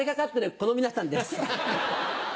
この皆さんです。